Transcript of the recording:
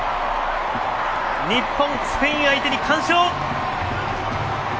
日本、スペイン相手に完勝！